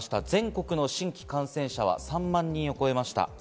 全国の新規感染者は３万人を超えました。